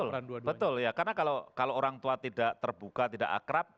betul ya karena kalau orang tua tidak terbuka tidak akrab